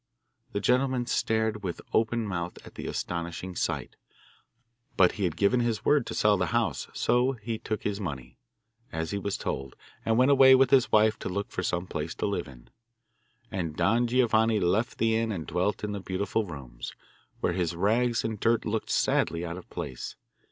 The gentleman stared with open mouth at the astonishing sight; but he had given his word to sell the house, so he took his money, as he was told, and went away with his wife to look for some place to live in. And Don Giovanni left the inn and dwelt in the beautiful rooms, where his rags and dirt looked sadly out of place.